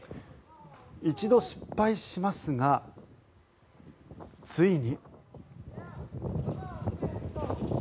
一度失敗しますがついに。